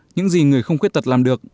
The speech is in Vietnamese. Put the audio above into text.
những gì người không quyết tật làm được